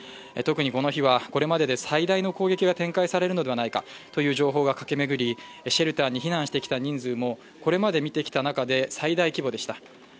特にこの日は、これまでで最大の攻撃が展開されるのではないかとの情報が駆けめぐり、シェルターに避難してきた人数もこれまで見てきた中で最大規模でした。